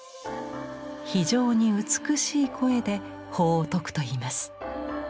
非常に美しい声で法を説くといいます。